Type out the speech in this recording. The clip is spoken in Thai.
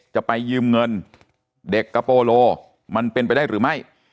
จะไปยืมเงินเด็กกระโปโลมันเป็นไปได้หรือไม่